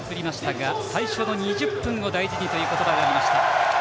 最初の２０分を大事にという言葉がありました。